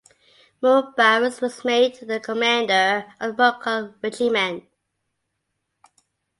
Mubariz was made the commander of the Mughal regiment.